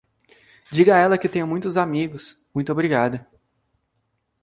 Diga a ela que tenho muitos amigos, muito obrigada.